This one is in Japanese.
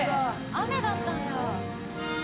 雨だったんだ。